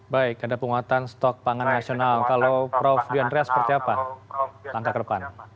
baik ada penguatan stok pangan nasional kalau prof di andreas seperti apa langkah ke depan